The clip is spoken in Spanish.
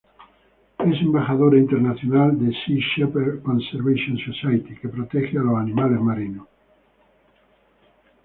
Es embajadora internacional de Sea Shepherd Conservation Society, que protege a los animales marinos.